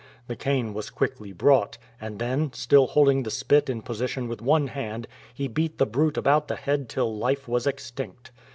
The cane was quickly brought, and then, still holding the spit in position with one hand, he beat the brute about the head till life was extinct.